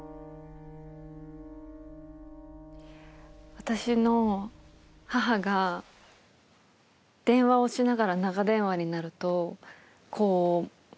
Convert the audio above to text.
私の母が電話をしながら長電話になるとこう。